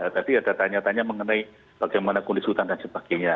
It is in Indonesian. tadi ada tanya tanya mengenai bagaimana kulit hutan dan sebagainya